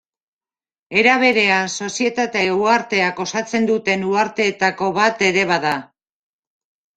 Era berean Sozietate uharteak osatzen duten uharteetako bat ere bada.